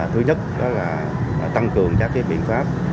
thứ nhất tăng cường các biện pháp